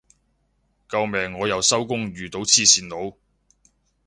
救命我又收工遇到黐線佬